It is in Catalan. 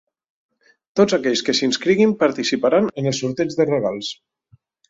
Tots aquells que s’inscriguin participaran en el sorteig de regals.